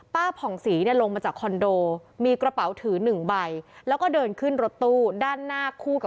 ผ่องศรีเนี่ยลงมาจากคอนโดมีกระเป๋าถือ๑ใบแล้วก็เดินขึ้นรถตู้ด้านหน้าคู่กับ